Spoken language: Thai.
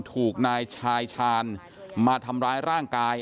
ถูกนายชายชาญมาทำร้ายร่างกาย